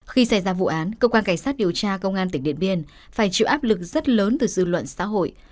khi xảy ra vụ án cơ quan cảnh sát điều tra công an tỉnh điện biên phải chịu áp lực rất lớn từ dư luận xã hội